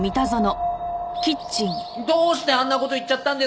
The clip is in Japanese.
どうしてあんな事言っちゃったんですか？